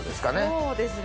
そうですね。